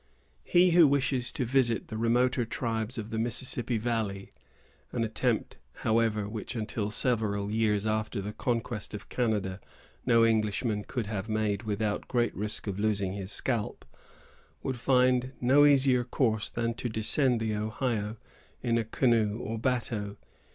He who wished to visit the remoter tribes of the Mississippi valley——an attempt, however, which, until several years after the conquest of Canada, no Englishman could have made without great risk of losing his scalp——would find no easier course than to descend the Ohio in a canoe or bateau.